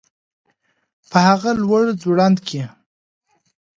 په هغه لوړ ځوړند کي